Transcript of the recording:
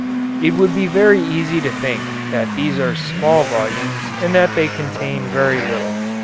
It would be very easy to think that these are small volumes and that they contain very little.